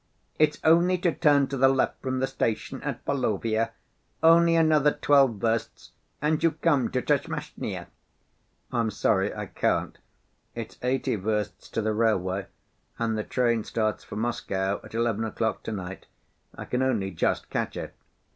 It's only to turn to the left from the station at Volovya, only another twelve versts and you come to Tchermashnya." "I'm sorry, I can't. It's eighty versts to the railway and the train starts for Moscow at seven o'clock to‐night. I can only just catch it."